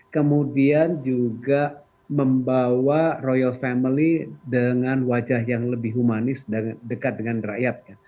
kemudian juga membawa royal family dengan wajah yang lebih humanis dan dekat dengan rakyat